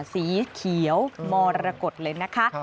สีเขียวมรกฏเลยนะคะ